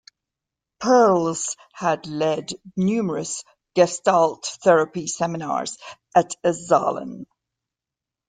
Perls had led numerous Gestalt therapy seminars at Esalen.